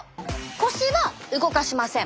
腰は動かしません。